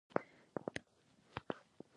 احسان الله خان زما ټولګیوال و